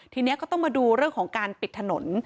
ทีนี้ก็ต้องมาดูเรื่องของการปิดถนน